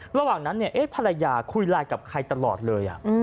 ระหว่างนั้นภรรยาคุยไลน์กับใครตลอดเลย